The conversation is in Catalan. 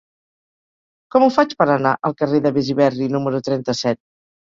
Com ho faig per anar al carrer de Besiberri número trenta-set?